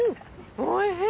おいしい！